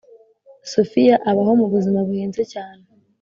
sofia abaho mu buzima buhenze cyane